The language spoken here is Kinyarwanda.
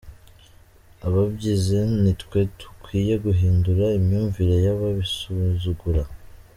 Ababyize ni twe dukwiye guhindura imyumvire y’ababisuzugura.